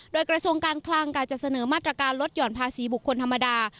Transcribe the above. โดยกระทรวงการคลังกะจะเสนอมาตรการลดหย่อนภาษีบุคคลธรรมดา